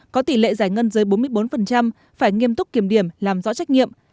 có tỷ lệ giải ngân dưới bốn mươi bốn phải nghiêm túc kiểm điểm làm rõ trách nhiệm